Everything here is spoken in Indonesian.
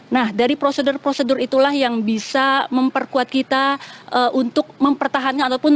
nah dari prosedur prosedur itulah yang bisa memperkuat kita untuk mempertahankan ataupun